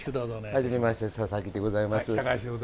初めまして佐々木でございます。